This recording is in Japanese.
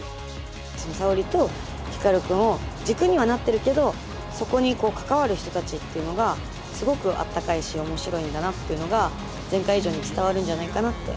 沙織と光くんを軸にはなってるけどそこに関わる人たちっていうのがすごくあったかいし面白いんだなっていうのが前回以上に伝わるんじゃないかなって思います。